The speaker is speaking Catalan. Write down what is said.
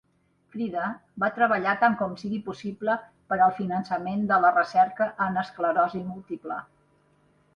Frieda va treballar tant com sigui possible per al finançament de la recerca en esclerosi múltiple.